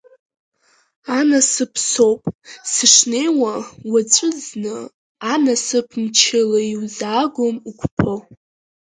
Анасыԥ соуп, сышнеиуа, уаҵәы зны, анасыԥ мчыла иузаагом уқәԥо…